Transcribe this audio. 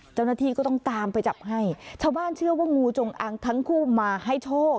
เจ้าหน้าที่ก็ต้องตามไปจับให้ชาวบ้านเชื่อว่างูจงอังทั้งคู่มาให้โชค